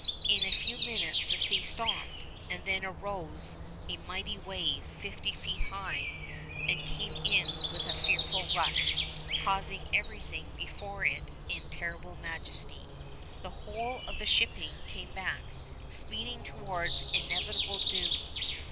In a few minutes the sea stopped, and then arose a mighty wave fifty feet high, and came in with a fearful rush, carrying everything before it in terrible majesty. The whole of the shipping came back, speeding towards inevitable doom.